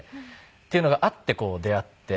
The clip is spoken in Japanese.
っていうのがあってこう出会って。